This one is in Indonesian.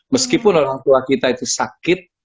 meskipun orang tua kita itu sakit